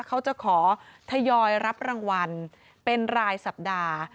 เขาจะขอทยอยรับรางวัลเป็นรายสัปดาห์